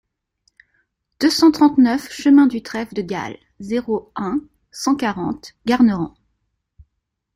deux cent trente-neuf chemin du Trève de Galle, zéro un, cent quarante, Garnerans